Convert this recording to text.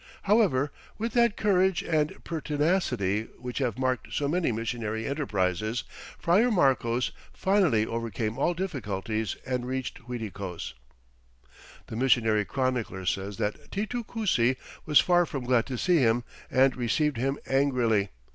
However, with that courage and pertinacity which have marked so many missionary enterprises, Friar Marcos finally overcame all difficulties and reached Uiticos. The missionary chronicler says that Titu Cusi was far from glad to see him and received him angrily.